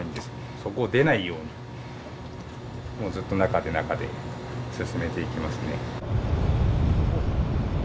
そこを出ないようにもうずっと中で中で進めていきますね。